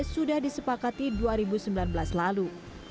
sudah disepakati dua ribu sembilan belas lalu